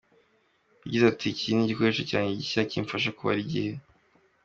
Yari yarafunzwe kubera jenoside, hanyuma umugore we ajya kuba iwabo.